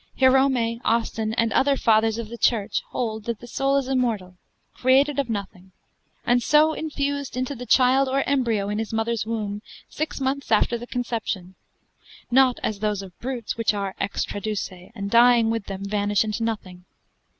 Hierome, Austin, and other Fathers of the church, hold that the soul is immortal, created of nothing, and so infused into the child or embryo in his mother's womb, six months after the conception; not as those of brutes, which are ex traduce, and dying with them vanish into nothing.